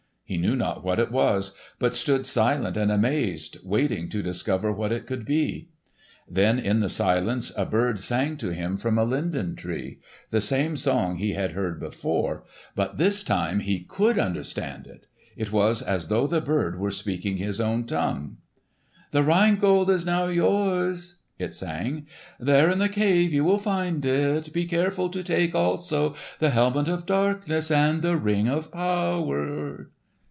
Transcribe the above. He knew not what it was, but stood silent and amazed waiting to discover what it could be. Then in the silence a bird sang to him from a linden tree—the same song he had heard before; but this time he could understand it! It was as though the bird were speaking his own tongue! "The Rhine Gold is now yours," it sang. "There in the cave you will find it. Be careful to take also the helmet of darkness and the Ring of Power."